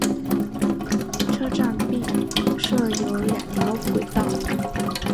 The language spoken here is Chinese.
车站并设有两条轨道。